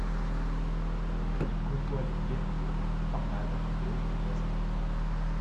Il côtoie les Blériot, Farman, et autre Voisin.